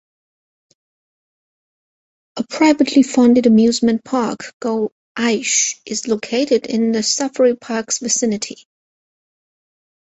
A privately funded amusement park, Go Aish, is located in the Safari Park's vicinity.